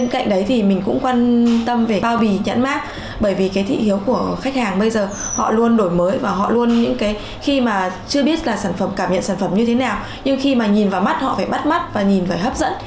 cảm nhận sản phẩm như thế nào nhưng khi mà nhìn vào mắt họ phải bắt mắt và nhìn phải hấp dẫn